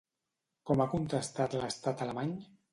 Com ha contestat l'estat alemany?